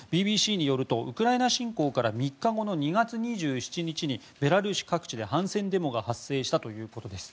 ＢＢＣによるとウクライナ侵攻から３日後の２月２７日にベラルーシ各地で反戦デモが発生したということです。